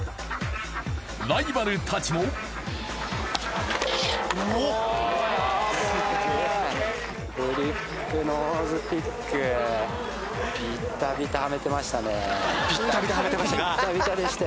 ライバルたちもビッタビタはめてましたか？